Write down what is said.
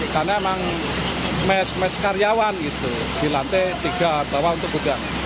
karena memang mes karyawan di lantai tiga